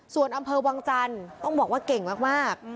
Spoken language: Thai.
ส่วนอำเภอวังจันทร์ต้องบอกว่าเก่งมาก